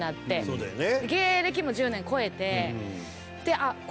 そうだよね。